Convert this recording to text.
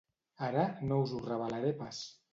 Ara no us ho revelaré pas.